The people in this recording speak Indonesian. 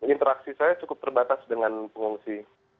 interaksi saya cukup terbatas dengan pengungsi